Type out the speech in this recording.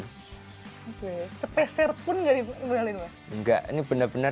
oke sepeser pun nggak dimodalin mas